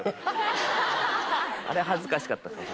あれは恥ずかしかったですね